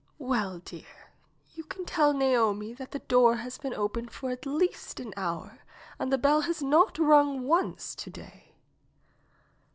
"Well, dear, you can tell Naomi that the door has been open for at least an hour and the bell has not rung once to day."